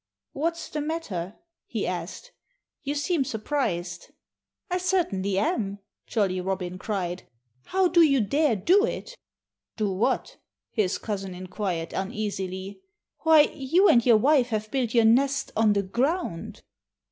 "What's the matter?" he asked. "You seem surprised." "I certainly am!" Jolly Robin cried. "How do you dare do it?" "Do what?" his cousin inquired uneasily. "Why, you and your wife have built your nest on the ground!"